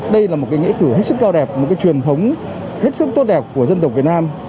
đây là một nghệ cử hết sức cao đẹp một truyền thống hết sức tốt đẹp của dân tộc việt nam